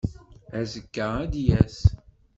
Azekka ad d-yas.